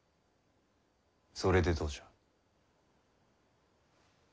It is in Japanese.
それでどうじゃ？